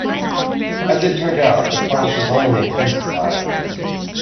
As it turned out, the clashes only intensified.